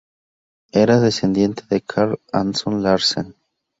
Era descendiente de Carl Anton Larsen.